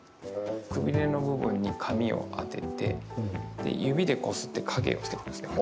くびれの部分に紙を当てて指でこすって影をつけていくんですね